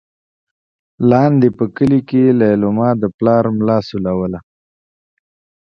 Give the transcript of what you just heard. لاندې په کلي کې لېلما د پلار ملا سولوله.